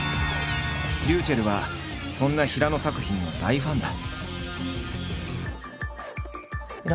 ｒｙｕｃｈｅｌｌはそんな平野作品の大ファンだ。